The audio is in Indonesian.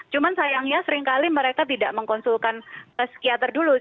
cuma sayangnya seringkali mereka tidak mengkonsulkan psikiater dulu